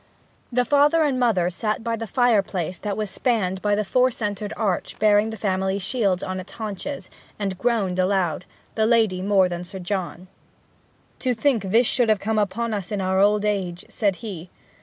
The father and mother sat by the fireplace that was spanned by the four centred arch bearing the family shields on its haunches, and groaned aloud the lady more than Sir John. 'To think this should have come upon us in our old age!' said he.